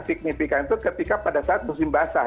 signifikan itu ketika pada saat musim basah